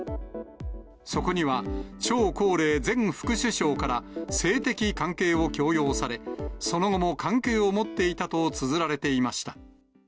そこには、張高麗前副首相から性的関係を強要され、その後も関係を持っていたとつづられていました。